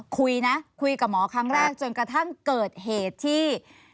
คุยนะคุยกับหมอครั้งแรกจนกระทั่งเกิดเหตุที่